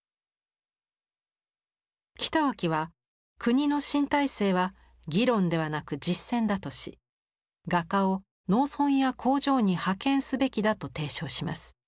北脇は国の新体制は議論ではなく実践だとし画家を農村や工場に派遣すべきだと提唱します。